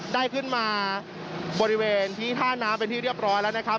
ได้ขึ้นมาบริเวณที่ท่าน้ำเป็นที่เรียบร้อยแล้วนะครับ